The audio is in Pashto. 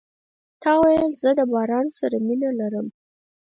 تا ویل زه د باران سره مینه لرم .